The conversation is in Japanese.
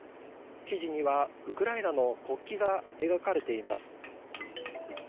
生地にはウクライナの国旗が描かれています。